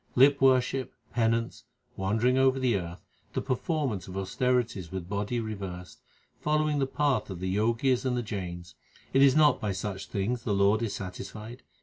Lip worship, penance, wandering over the earth, the per formance of austerities with body reversed, Following the path of the Jogis and the Jains it is not by such things the Lord is satisfied.